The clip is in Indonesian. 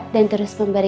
ya terima kasih